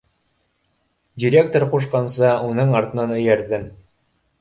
Директор ҡушҡанса уның артынан эйәрҙем.